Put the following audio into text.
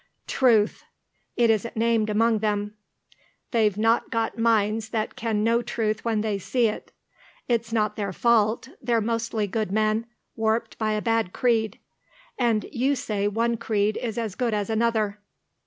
Truth! It isn't named among them. They've not got minds that can know truth when they see it. It's not their fault. They're mostly good men warped by a bad creed. And you say one creed is as good as another."